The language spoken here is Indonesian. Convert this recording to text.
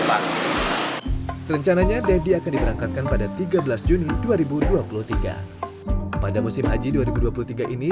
pak rencananya debbie akan diberangkatkan pada tiga belas juni dua ribu dua puluh tiga pada musim haji dua ribu dua puluh tiga ini